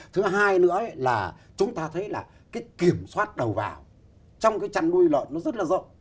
thứ hai nữa là chúng ta thấy là cái kiểm soát đầu vào trong cái chăn nuôi lợn nó rất là rộng